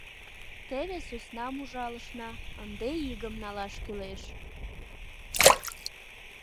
Теве сӧснам ужалышна, ынде игым налаш кӱлеш.